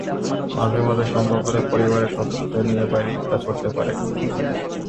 মাঝে মাঝে সম্ভব হলে পরিবারের সদস্যদের নিয়ে বাইরে ইফতার করতে পারেন।